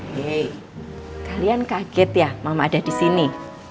hei kalian kaget ya mama ada di sini